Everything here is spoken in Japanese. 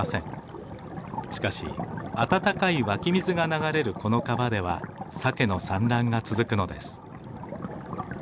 しかし温かい湧き水が流れるこの川ではサケの産卵が続くのです。